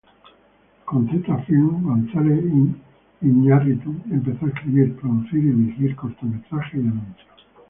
Con Z Films, González Iñárritu empezó a escribir, producir y dirigir cortometrajes y anuncios.